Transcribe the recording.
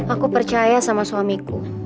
aku percaya sama suamiku